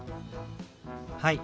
はい。